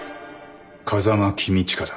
「風間公親だ」